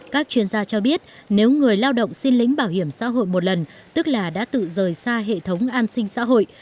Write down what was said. các chuyên gia cho biết nếu người lao động xin lĩnh bảo hiểm xã hội một lần tức là đã tự rời xa hệ thống an sinh xã hội